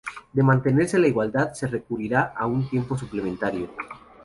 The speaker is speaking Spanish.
De mantenerse la igualdad, se recurrirá a un tiempo suplementario.